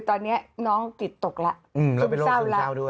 ตอนนี้น้องจิตตกแล้วคือเศร้าแล้ว